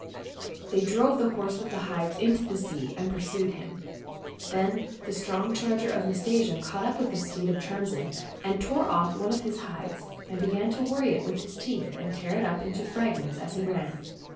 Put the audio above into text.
They drove the horse with the hides into the sea, and pursued him. Then the strong charger of Nastasia caught up the steed of Tremsin and tore off one of his hides, and began to worry it with his teeth and tear it to fragments as he ran.